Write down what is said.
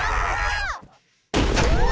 うわ！